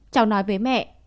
cháu nói với mẹ